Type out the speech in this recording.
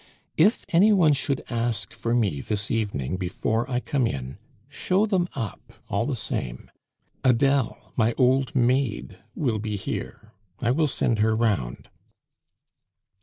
If any one should ask for me this evening before I come in, show them up all the same. Adele, my old maid, will be here; I will send her round."